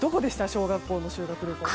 小学校の修学旅行。